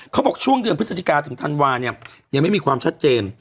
เขาบอกช่วงเดือนพฤศจิกาถึงธันวาเนี่ยยังไม่มีความชัดเจน